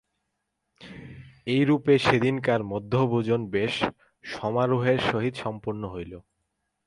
এইরূপে সেদিনকার মধ্যাহ্নভোজন বেশ সমারোহের সহিত সম্পন্ন হইল।